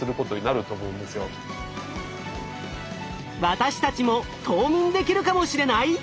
私たちも冬眠できるかもしれない！？